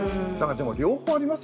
でも両方ありますよね